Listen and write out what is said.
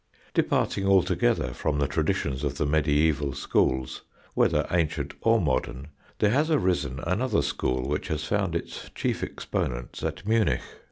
Departing altogether from the traditions of the mediæval schools, whether ancient or modern, there has arisen another school which has found its chief exponents at Munich.